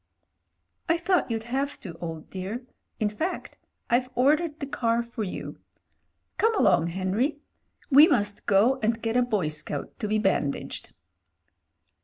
"I thought you'd have to, old dear. In fact, I've ordered the car for you. Come along, Henry — we must go and get a boy scout to be bandaged."